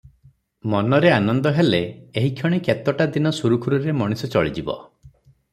ମନରେ ଆନନ୍ଦ ହେଲେ, ଏହିକ୍ଷଣି କେତୋଟା ଦିନ ସୁରୁଖୁରୁରେ ମଣିଷ ଚଳିଯିବ ।